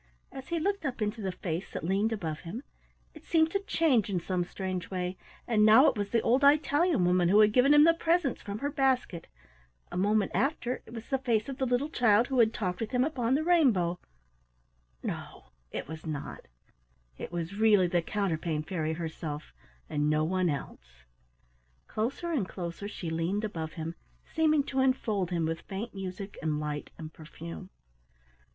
As he looked up into the face that leaned above him, it seemed to change in some strange way, and now it was the old Italian woman who had given him the presents from her basket; a moment after it was the face of the little child who had talked with him upon the rainbow; no, it was not; it was really the Counterpane Fairy herself, and no one else. Closer and closer she leaned above him, seeming to enfold him with faint music and light and perfume.